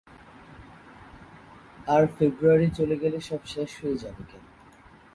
আর February চলে গেলে সব শেষ হয়ে যাবে কেন?